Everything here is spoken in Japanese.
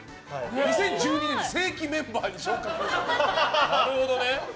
２０１２年に正規メンバーに昇格。